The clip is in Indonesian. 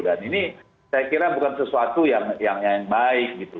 dan ini saya kira bukan sesuatu yang baik gitu